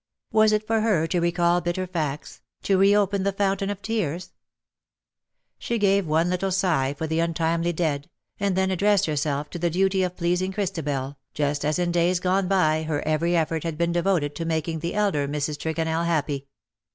Was it for her to recall bitter facts — to reopen the fountain of tears ? She gave one little sigh for the untimely dead — and then addressed herself to the duty of pleasing Christabel^ just as in days gone by her every effort had been devoted to making the elder Mrs. Tregonell happy.